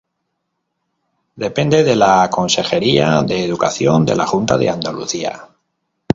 Depende de la Consejería de Educación de la Junta de Andalucía.